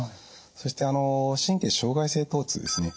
そして神経障害性とう痛ですね。